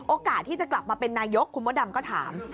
โอกาสที่จะกลับมาเป็นนายกคุณมดดำก็ถาม